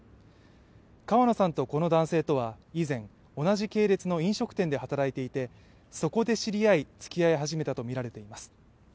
川野さんとこの男性とは以前、同じ系列の飲食店で働いていてそこで知り合い、付き合い始めたとみられています。